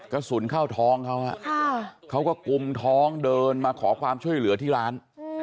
กระสุนเข้าท้องเขาเขาก็กุมท้องเดินมาขอความช่วยเหลือที่ร้าน